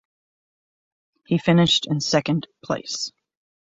He finished in second place.